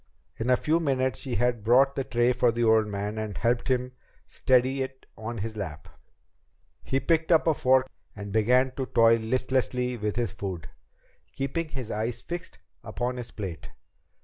In a few minutes she had brought the tray for the old man and helped him steady it on his lap. He picked up a fork and began to toy listlessly with his food, keeping his eyes fixed upon his plate.